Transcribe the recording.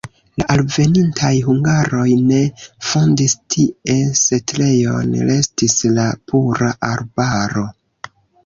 La alvenintaj hungaroj ne fondis tie setlejon, restis la pura arbaro.